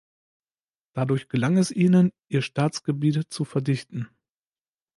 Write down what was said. Dadurch gelang es ihnen, ihr Staatsgebiet zu verdichten.